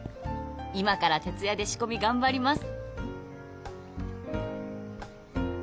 「今から徹夜で仕込み頑張ります！」